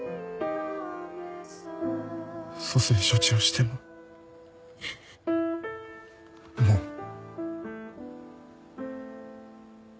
蘇生処置をしてももう。